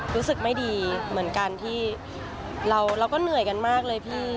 รู้สึกไม่ดีเหมือนกันที่เราก็เหนื่อยกันมากเลยพี่